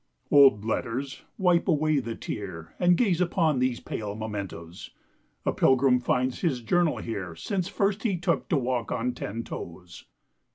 Old letters! wipe away the tear, And gaze upon these pale mementoes, A pilgrim finds his journal here Since first he took to walk on ten toes.